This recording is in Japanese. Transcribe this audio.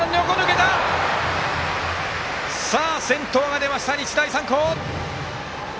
先頭が出ました、日大三高！